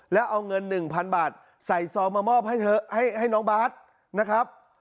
แล้วเอาเงิน๑๐๐๐บาทใส่ซองมามอบให้เถอะให้น้องบาทนะครับ